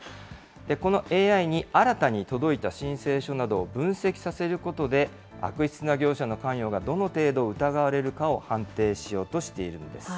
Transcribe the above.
このＡＩに、新たに届いた申請書などを分析させることで、悪質な業者の関与がどの程度疑われるかを判定しようとしているんです。